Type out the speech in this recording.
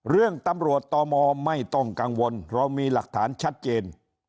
เรื่องตำรวจตมไม่ต้องกังวลเรามีหลักฐานชัดเจน